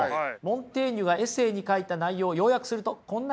モンテーニュが「エセー」に書いた内容を要約するとこんな感じです。